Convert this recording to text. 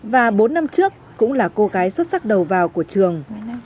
và bốn năm trước cũng là cô gái xuất sắc đầu vào của trường